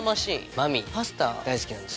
マミーパスタ大好きなんですよ。